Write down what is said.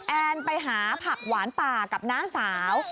แอนไปหาผักหวานป่ากับน้าสาว